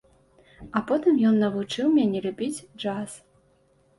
А потым ён навучыў мяне любіць джаз.